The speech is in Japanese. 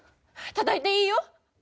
たたいて、いいよ！